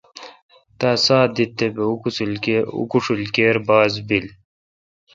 تا ساہ دیت تے° بہ اوکوشیل کیر باز بیل۔